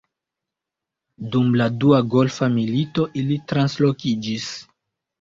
Dum la Dua Golfa Milito ili translokiĝis.